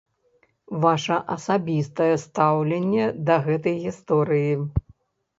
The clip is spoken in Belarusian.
Ваша асабістае стаўленне да гэтай гісторыі?